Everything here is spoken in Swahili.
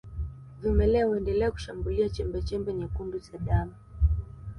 Vimelea huendelea kushambulia chembechembe nyekundu za damu